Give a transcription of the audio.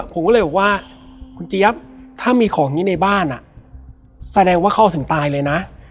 ผมก็เลยบอกว่าคุณเจี๊ยบถ้ามีของนี้ในบ้านแสดงว่าเขาถึงตายเลยนะ